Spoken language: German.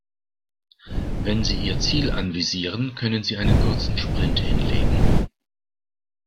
Wenn sie ihr Ziel anvisieren, können sie einen kurzen Sprint hinlegen.